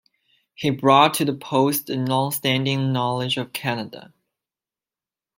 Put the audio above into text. He brought to the post a longstanding knowledge of Canada.